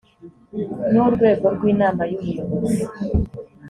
n urwego rw inama y ubuyobozi